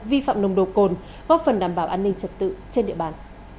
vi phạm nồng độ cồn góp phần đảm bảo an ninh trật tự trên địa bàn